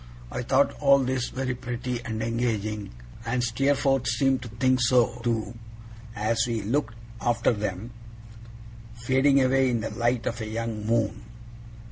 I thought all this very pretty and engaging, and Steerforth seemed to think so too, as we looked after them fading away in the light of a young moon.